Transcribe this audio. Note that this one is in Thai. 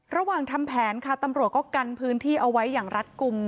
ระหว่างทำแผนค่ะตำรวจก็กันพื้นที่เอาไว้อย่างรัฐกลุ่ม